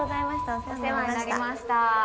お世話になりました。